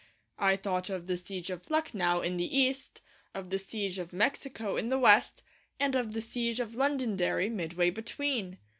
I thought of the Siege of Lucknow in the East, of the Siege of Mexico in the West, and of the Siege of Londonderry midway between.